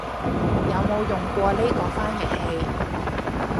有冇用過呢個翻譯器